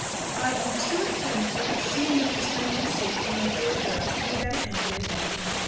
"I am too thankful at seeing you returned in safety, my dear girls, to be very angry at any thing.